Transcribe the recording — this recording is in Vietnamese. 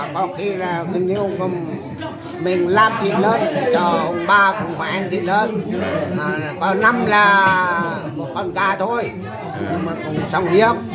có khi là mình làm thịt lớn cho ông ba cùng họ ăn thịt lớn có năm là một con cá thôi mà cũng xong hiếp